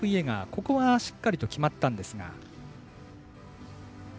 ここは、しっかりと決まったんですが。